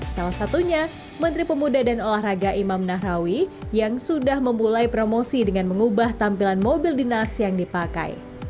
salah satunya menteri pemuda dan olahraga imam nahrawi yang sudah memulai promosi dengan mengubah tampilan mobil dinas yang dipakai